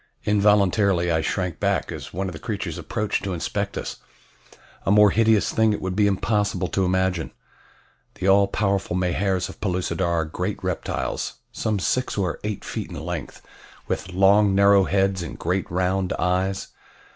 Involuntarily I shrank back as one of the creatures approached to inspect us. A more hideous thing it would be impossible to imagine. The all powerful Mahars of Pellucidar are great reptiles, some six or eight feet in length, with long narrow heads and great round eyes.